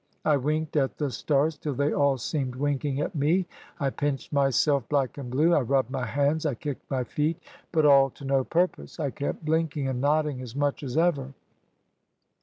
I winked at the stars till they all seemed winking at me, I pinched myself black and blue, I rubbed my hands, I kicked my feet, but all to no purpose; I kept blinking and nodding as much as ever.